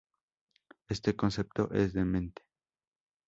Este concepto es demente.